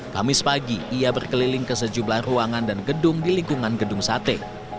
kamis pagi ia berkeliling ke sejumlah ruangan dan gedung di lingkungan gedung sate